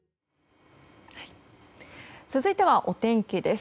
続いてはお天気です。